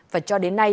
và cho đến nay